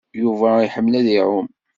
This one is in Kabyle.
Yuba iḥemmel ad iɛum.